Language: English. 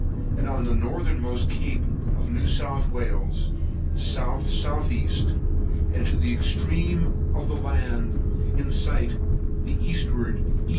and the northernmost cape of New South Wales, S.S.E.; and to the extreme of the land in sight, the eastward E.